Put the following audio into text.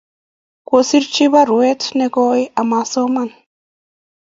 Kosirchi baruet ne koi amasoman